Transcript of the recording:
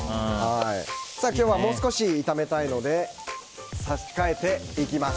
今日はもう少し炒めたいので差し替えていきます。